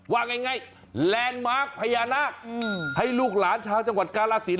ว่าไงแรงมาร์คพญานาคให้ลูกหลานชาวจังหวัดกาลาศิลป์